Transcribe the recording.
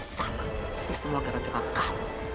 sama ini semua gara gara kah